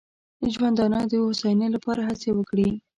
ژوندانه د هوساینې لپاره هڅې وکړي.